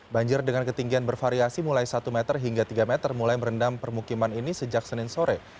banjir dengan ketinggian bervariasi mulai satu meter hingga tiga meter mulai merendam permukiman ini sejak senin sore